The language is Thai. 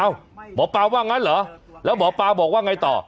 หมอปลาว่างั้นเหรอแล้วหมอปลาบอกว่าไงต่อ